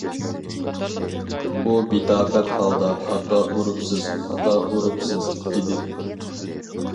ئۇ بىتاقەت ھالدا «خاتا ئۇرۇپسىز، خاتا ئۇرۇپسىز» دېدى.